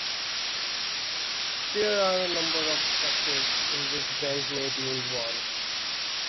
There are a number of sectors in which banks may be involved.